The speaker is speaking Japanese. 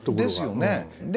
ですよね。